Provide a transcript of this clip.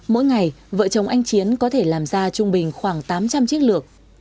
mỗi ngày vợ chồng anh chiến có thể làm ra trung bình khoảng tám trăm linh chiếc lược